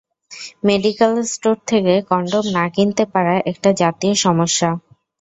Medical store থেকে condom না কিনতে পারা, একটা জাতীয় সমস্যা।